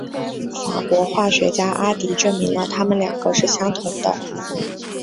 法国化学家阿迪证明了它们两个是相同的。